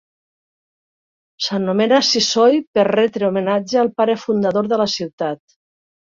S'anomena Sysoy per retre homenatge al pare fundador de la ciutat.